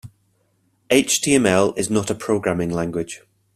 HTML is not a programming language.